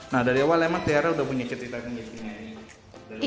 nah dari awal emang tiara udah punya ketitik ketitiknya ini